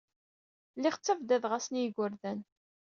Lliɣ ttabdadeɣ-asen i yigerdan.